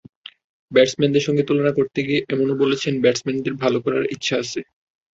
ব্যাটসম্যানদের সঙ্গে তুলনা করতে গিয়ে এমনও বলেছেন, ব্যাটসম্যানদের ভালো করার ইচ্ছা আছে।